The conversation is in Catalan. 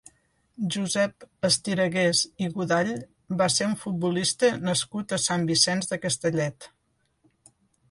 Josep Estiragués i Godall va ser un futbolista nascut a Sant Vicenç de Castellet.